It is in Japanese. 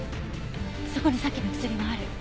そこにさっきの薬もある。